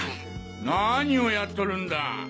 なにをやっとるんだ！